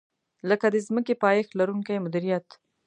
لکه د ځمکې پایښت لرونکې مدیریت.